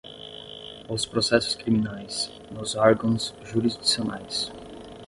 os processos criminais, nos órgãos jurisdicionais